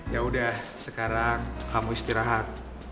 yaudah sekarang kamu istirahat